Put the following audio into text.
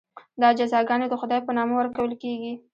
دا جزاګانې د خدای په نامه ورکول کېږي.